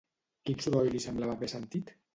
Quin soroll li semblava haver sentit?